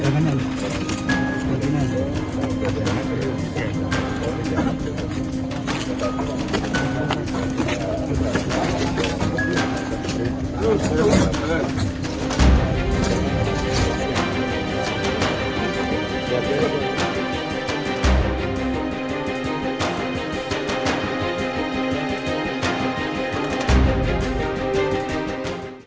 jumlah kota kapolusia